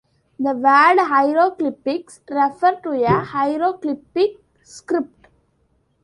The word "hieroglyphics" refer to a hieroglyphic script.